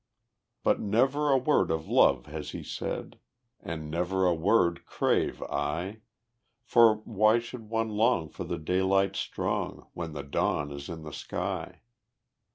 But never a word of love has he said, And never a word crave I, For why should one long for the daylight strong When the dawn is in the sky?